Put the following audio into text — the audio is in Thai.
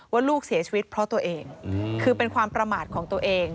ว่าลูกเสียชีวิตเพราะตัวเองคือเป็นความประมาทของตัวเอง